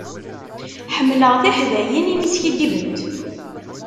Ḥemmleɣ tiḥdayin imi skiddibent.